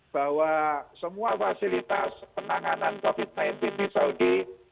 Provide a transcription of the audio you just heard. bahwa semua fasilitas penanganan covid sembilan belas di saudi